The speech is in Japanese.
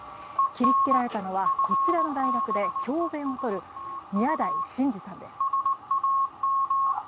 切り付けられたのはこちらの大学で教鞭をとる宮台真司さんです。